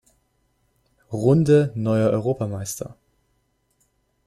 Runde neuer Europameister.